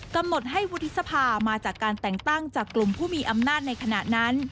กำหนดให้วุฒิสภามาจากการแต่งตั้งจากกลุ่มผู้มีอำนาจในขณะนั้น